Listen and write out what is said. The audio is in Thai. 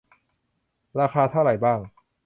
ราคาเท่าไรบ้าง